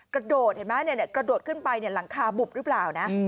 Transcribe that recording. กระโดดเห็นไหมกระโดดขึ้นไปหลังคาบุบหรือเปล่านะ